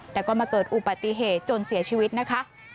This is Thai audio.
แต่ก็มาเกิดอุบัติเหตุจนเสียชีวิตนะคะ